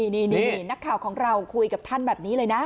นี่นักข่าวของเราคุยกับท่านแบบนี้เลยนะ